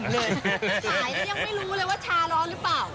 ขายแล้วยังไม่รู้เลยว่าชาร้อนหรือเปล่า